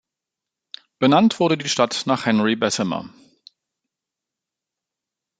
Benannt wurde die Stadt nach Henry Bessemer.